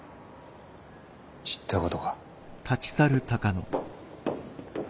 知ったことか。